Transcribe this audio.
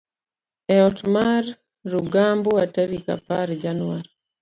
e ot mar Rugambwa tarik apar januar